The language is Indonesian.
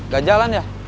gak jalan ya